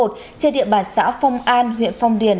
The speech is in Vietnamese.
trên địa bàn xã phong an huyện phong điền